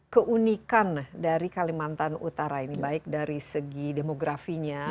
keunikan dari kalimantan utara ini baik dari segi demografinya